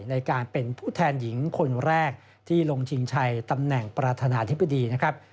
ในการเป็นผู้แทนหญิงคนแรกที่ลงชิงชัยตำแหน่งประธานาธิบดีนะครับ